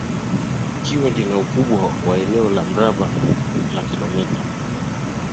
ikiwa ina ukubwa wa eneo la mraba la Kilometa